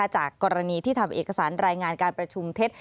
จากกรณีที่ทำเอกสารรายงานการประชุมเท็จ